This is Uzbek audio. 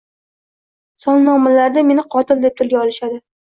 Solnomalarda meni qotil deb tilga olishadi!